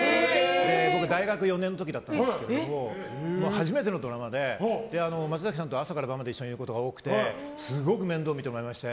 僕、大学４年の時だったんですが初めてのドラマで松崎さんと朝から晩まで一緒にいることが多くてすごく面倒を見てもらいまして。